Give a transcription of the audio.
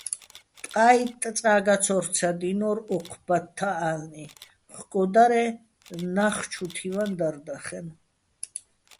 ტყა́იტტ წა გაცო́რცადინორ ო́ჴ ბათთა ა́ლნი, ხკო დარ-ე́ ნახ ჩუ თივაჼ დარ დახენო̆.